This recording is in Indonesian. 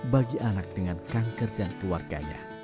bagi anak dengan kanker dan keluarganya